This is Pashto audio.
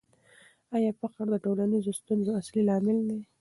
آیا فقر د ټولنیزو ستونزو اصلي لامل دی؟